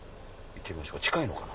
近いのかな？